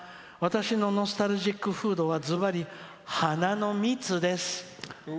「私のノスタルジックフードはずばり花の蜜です」。